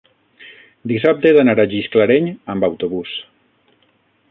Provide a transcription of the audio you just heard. dissabte he d'anar a Gisclareny amb autobús.